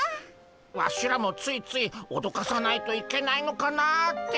ワシらもついついおどかさないといけないのかなって。